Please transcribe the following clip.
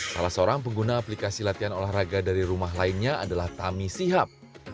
salah seorang pengguna aplikasi latihan olahraga dari rumah lainnya adalah tami sihab